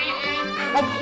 salam dari cik